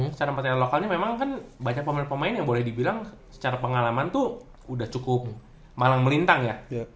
secara pertandingan lokalnya memang kan banyak pemain pemain yang boleh dibilang secara pengalaman tuh udah cukup malang melintang ya